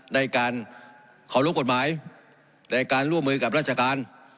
ได้การขอบรับกฎหมายได้การร่วมมือกับราชการ